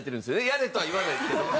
やれとは言わないですけど。